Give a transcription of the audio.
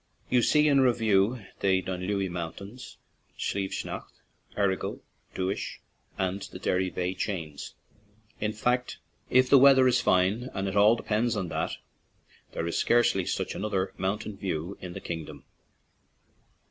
You see in review the Dunlewy Mountains, Slieve Snaght, Errigal, Dooish, and the Derry veigh chains; in fact, if the weather is fine — and it all depends on that — there is scarcely such another mountain view in the kingdom.